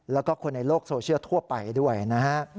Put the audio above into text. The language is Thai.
แล้วก็คนในโลกโซเชียลทั่วไปด้วยนะฮะ